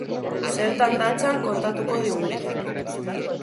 Zertan datzan kontatuko digute.